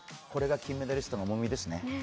これが金メダリストの重みですね。